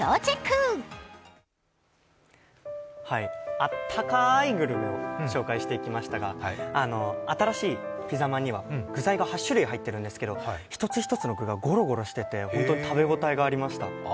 温かいグルメを紹介してきましたが新しいピザまんには具材が８種類入ってるんですけど１つ１つの具がゴロゴロしてて食べ応えがありました。